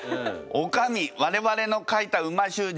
おかみ我々の書いた美味しゅう字